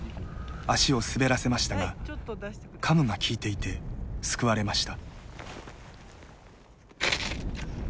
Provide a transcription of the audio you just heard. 足を滑らせましたがカムが効いていて救われました。